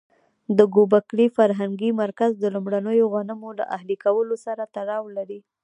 د ګوبک لي فرهنګي مرکز د لومړنیو غنمو له اهلي کولو سره تړاو لري.